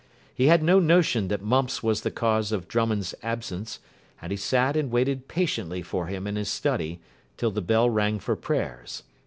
He had no notion that mumps was the cause of Drummond's absence, and he sat and waited patiently for him in his study till the bell rang for prayers.